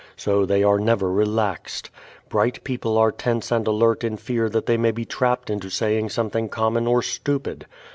So they are never relaxed. Bright people are tense and alert in fear that they may be trapped into saying something common or stupid.